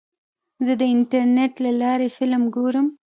زه د انټرنیټ له لارې فلم ګورم.